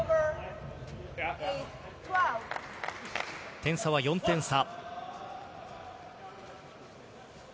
点差は４点差。